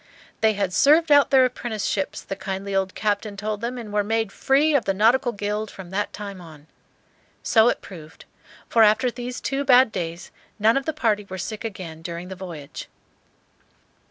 "They had served out their apprenticeships," the kindly old captain told them, "and were made free of the nautical guild from that time on." So it proved; for after these two bad days none of the party were sick again during the voyage.